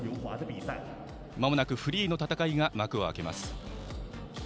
まもなくフリーの戦いが幕を開けます。